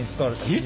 えっ！？